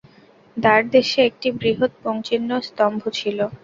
দ্বারদেশে একটি বৃহৎ পুংচিহ্ন স্তম্ভ ছিল।